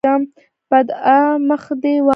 بدعا: مخ دې واوړه!